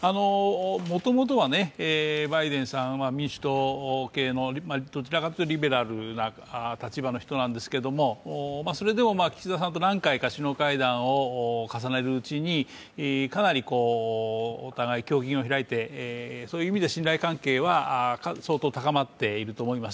もともとは、バイデンさんは民主党系の、どちらかいうとリベラルな立場の人なんですけど、それでも岸田さんと何回か首脳会談を重ねるうちにかなりお互い胸襟を開いて、そういう意味で信頼関係は相当高まっいると思います。